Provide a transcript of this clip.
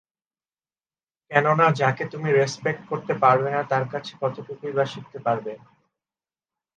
কেনোনা যাকে তুমি রেসপেক্ট করতে পারবে না তার কাছে কতটুকুই বা শিখতে পারবে।